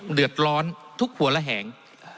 เดือดร้อนทุกหัวระแหง